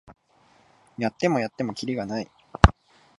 やってもやってもキリがない